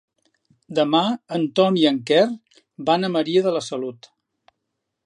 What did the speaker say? Demà en Tom i en Quer van a Maria de la Salut.